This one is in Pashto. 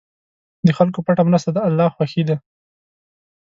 د خلکو پټه مرسته د الله خوښي ده.